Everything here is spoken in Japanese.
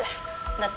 だって